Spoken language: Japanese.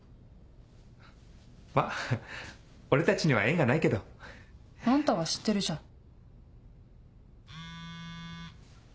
まぁ俺たちには縁がないけど。あんたは知ってるじゃん。